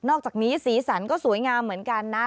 อกจากนี้สีสันก็สวยงามเหมือนกันนะ